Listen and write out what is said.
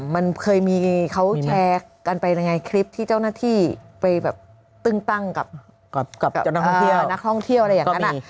มันเคยมีเขาแชร์กันไปยังไงคลิปที่เจ้าหน้าที่ไปแบบตึ้งตั้งกับนักท่องเที่ยวนักท่องเที่ยวอะไรอย่างนั้น